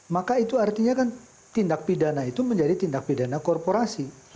maka itu artinya kan tindak pidana itu menjadi tindak pidana korporasi